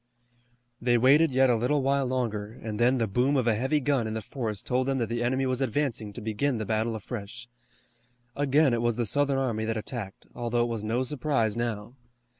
They waited yet a little while longer, and then the boom of a heavy gun in the forest told them that the enemy was advancing to begin the battle afresh. Again it was the Southern army that attacked, although it was no surprise now.